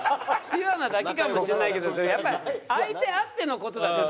ピュアなだけかもしれないけどやっぱり相手あっての事だから。